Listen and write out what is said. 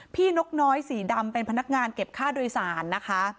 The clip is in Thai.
นกน้อยสีดำเป็นพนักงานเก็บค่าโดยสารนะคะ